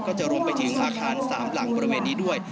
จะรวมไปถึงอาคาร๓หลังบริเวณนี้ด้วย